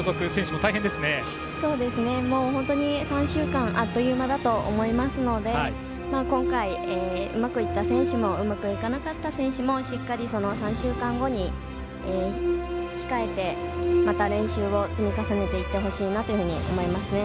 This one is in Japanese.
もう本当に３週間あっという間だと思いますので今回、うまくいった選手もうまくいかなかった選手もしっかり、その３週間後に控えてまた練習を積み重ねていってほしいなと思いますね。